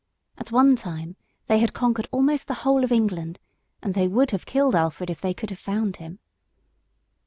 At one time they had conquered almost the whole of England, and they would have killed Alfred if they could have found him.